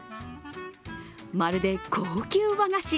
まるで高級和菓子。